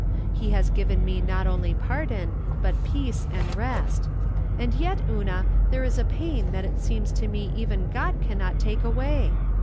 He has given me not only pardon, but peace and rest. And yet, Una, there is a pain that it seems to me even God can not take away.